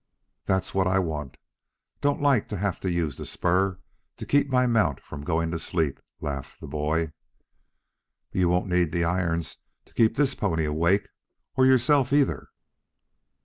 "That's what I want. Don't like to have to use the spur to keep my mount from going to sleep," laughed the boy. "You won't need the irons to keep this pony awake or yerself either."